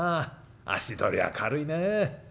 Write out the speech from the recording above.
足取りは軽いねえ。